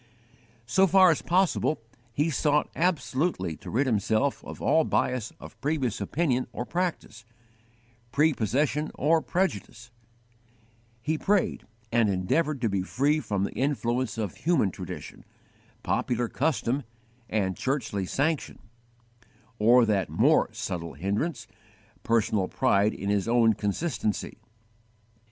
So far as possible he sought absolutely to rid himself of all bias of previous opinion or practice, prepossession or prejudice; he prayed and endeavoured to be free from the influence of human tradition, popular custom, and churchly sanction, or that more subtle hindrance, _personal pride in his own consistency.